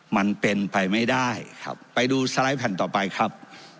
มันเป็นไปไม่ได้ครับไปดูสไลด์แผ่นต่อไปครับ